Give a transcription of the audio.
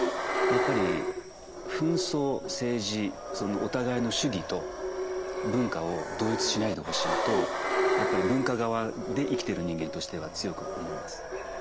やっぱり紛争政治お互いの主義と文化を同一しないでほしいとやっぱり文化側で生きている人間としては強く思います。